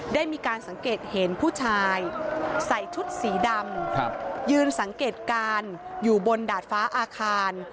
ได้มีการสังเกตเห็นผู้ชายใส่ชุดสีดำยืนสังเกตการณ์อยู่บนดาดฟ้าอาคาร